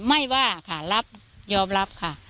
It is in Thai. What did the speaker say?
ไม่ว่าค่ะรับยอมรับค่ะ